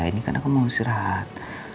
ini kan aku mau istirahat